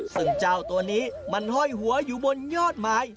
ซึ่งเจ้าตัวนี้มันห้อยหัวอยู่บนยอดไม้